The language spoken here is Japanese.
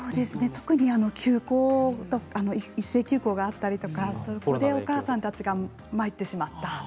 特に一斉休校になったりとかそこでお母さんたちが参ってしまった。